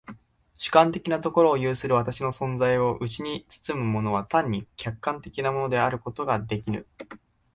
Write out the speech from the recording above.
主観的なところを有する私の存在をうちに包むものは単に客観的なものであることができぬ。